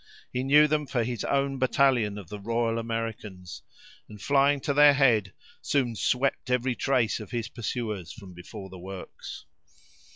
He knew them for his own battalion of the Royal Americans, and flying to their head, soon swept every trace of his pursuers from before the works.